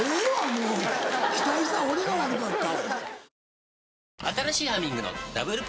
もう期待した俺が悪かった。